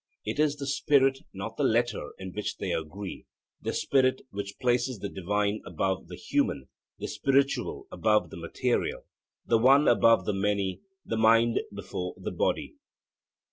It is the spirit, not the letter, in which they agree the spirit which places the divine above the human, the spiritual above the material, the one above the many, the mind before the body.